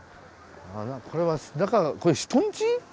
これは中がこれ人んち？